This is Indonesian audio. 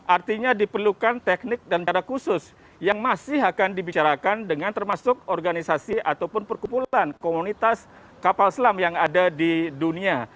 artinya diperlukan teknik dan cara khusus yang masih akan dibicarakan dengan termasuk organisasi ataupun perkumpulan komunitas kapal selam yang ada di dunia